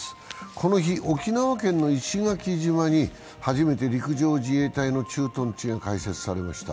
この日、沖縄県の石垣島に初めて陸上自衛隊の駐屯地が開設されました。